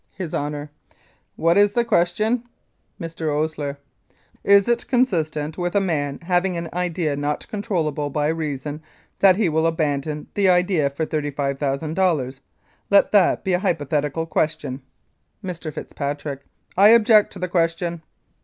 HIS HONOUR: What is the question? Mr. OSLER: Is it consistent with a man having an idea not controllable by reason that he will abandon that idea for $35,000? Let that be a hypothetical question. Mr. FITZPATRICK: I object to the question.